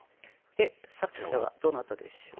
作者はどなたでしょう？